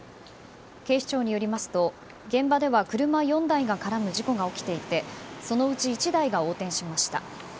警視庁によりますと現場では車４台が絡む事故が起きていてそのうち１台が横転しました。